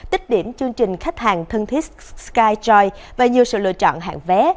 tích điểm chương trình khách hàng thân thiết skyjoy và nhiều sự lựa chọn hạng vé